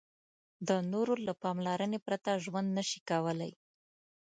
د نورو له پاملرنې پرته ژوند نشي کولای.